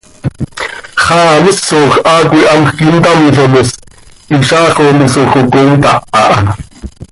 ¿Xaa misoj haa cöihamjc intamzo mos, hizaax oo misoj oo contáh aha?